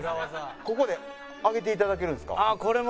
ここで揚げて頂けるんですか？